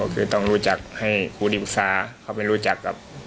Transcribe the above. คือต้องรู้จักให้ครูอยภิกษาเข้าไปรู้จัก